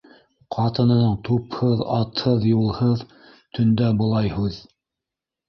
Ҡатынының тупһыҙ, атһыҙ-юлһыҙ төндә былай һүҙ